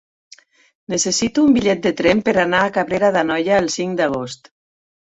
Necessito un bitllet de tren per anar a Cabrera d'Anoia el cinc d'agost.